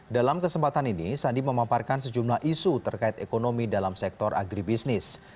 dalam kesempatan ini sandi memaparkan sejumlah isu terkait ekonomi dalam sektor agribisnis